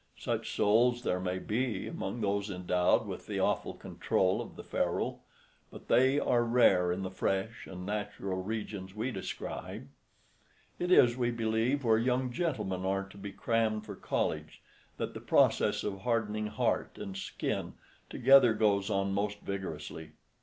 Such souls there may be, among those endowed with the awful control of the ferule, but they are rare in the fresh and natural regions we describe. It is, we believe, where young gentlemen are to be crammed for college, that the process of hardening heart and skin together goes on most vigorously.